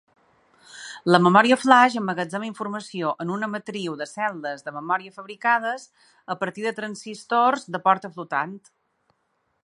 La memòria flaix emmagatzema informació en una matriu de cel·les de memòria fabricades a partir de transistors de porta flotant.